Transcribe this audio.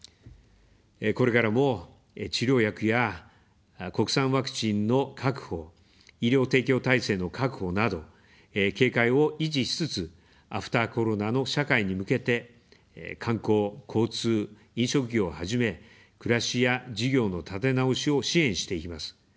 これからも治療薬や国産ワクチンの確保、医療提供体制の確保など警戒を維持しつつ、アフターコロナの社会に向けて、観光、交通、飲食業をはじめ、暮らしや事業の立て直しを支援していきます。